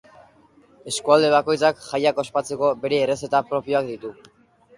Eskualde bakoitzak jaiak ospatzeko bere errezeta propioak ditu.